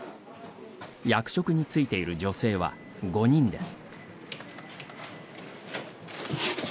役職に就いている女性は５人です。